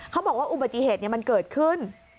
เขาบอกว่าอุบัติเหตุมันเกิดขึ้น